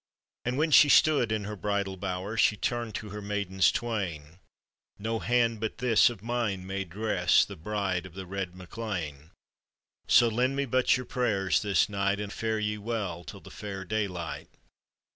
And when she stood in her bridal bower, She turned to her maidens twain :" No hand but this of mine may dress The bride of the red Mac Lean ; So lend me but your prayers this night, And fare ye well till the fair daylight."